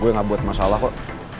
gue gak buat masalah kok